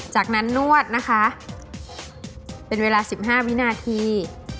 จากนั้นนวดนะคะเป็นเวลา๑๕วินาที